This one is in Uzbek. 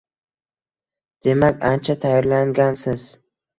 Demak, ancha tayorlangansiz